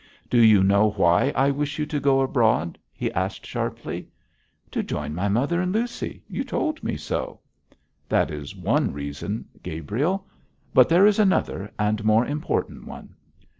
'Do you know why I wish you to go abroad?' he asked sharply. 'To join my mother and Lucy you told me so.' 'That is one reason, Gabriel; but there is another and more important one.'